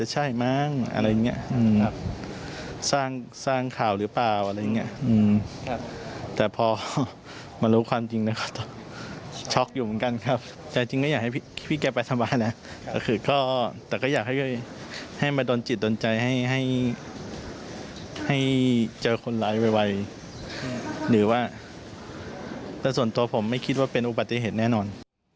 หรือว่าแต่ส่วนตัวผมไม่คิดว่าเป็นอุบัติเหตุแน่นอน